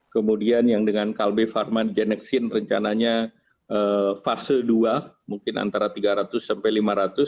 kemudian yang dengan kalbe pharma genexin rencananya fase dua mungkin antara tiga ratus sampai lima ratus